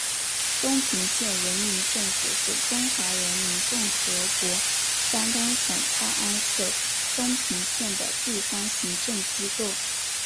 东平县人民政府是中华人民共和国山东省泰安市东平县的地方行政机构。